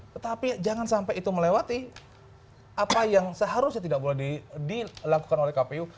tetapi jangan sampai itu melewati apa yang seharusnya tidak boleh dilakukan oleh kpu